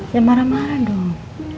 jangan marah marah dong